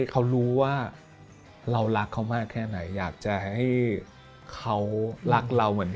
คืออยาก